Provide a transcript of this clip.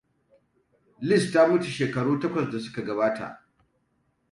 Liz ta mutu shekaru takwas da suka gabata.